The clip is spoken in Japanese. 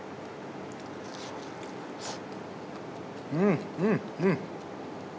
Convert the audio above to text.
うんうんうん。